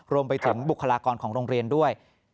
รวมไปถึงบุคลากรของโรงเรียนด้วย